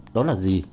đó là gì